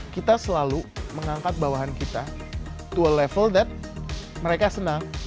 kita selalu mengangkat bawahan kita to a level that mereka senang